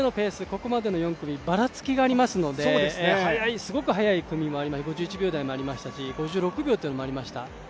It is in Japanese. ここまでの４組はばらつきがありますのですごく速い組もあれば５１秒台もありましたし５６秒というのもありました。